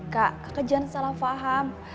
kak kakak jangan salah faham